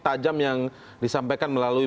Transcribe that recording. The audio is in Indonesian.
tajam yang disampaikan melalui